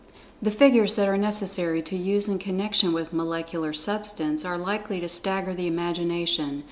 The figures that are necessary to use in connection with molecular Substance are likely to stagger the imagination.